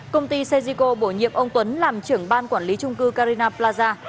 công ty sejiko bổ nhiệm ông tuấn làm trưởng ban quản lý trung cư carina plaza